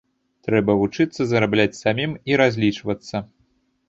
Трэба вучыцца зарабляць самім і разлічвацца.